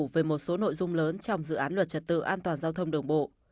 về một số nội dung lớn trong dự án luật trật tự an toàn giao thông đường bộ